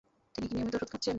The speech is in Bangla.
তিনি কি নিয়মিত ঔষুধ খাচ্ছেন?